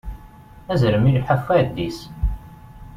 Azrem ileḥḥu ɣef uɛeddis.